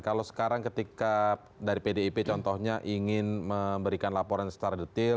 kalau sekarang ketika dari pdip contohnya ingin memberikan laporan secara detail